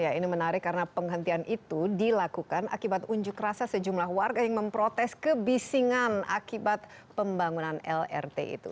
ya ini menarik karena penghentian itu dilakukan akibat unjuk rasa sejumlah warga yang memprotes kebisingan akibat pembangunan lrt itu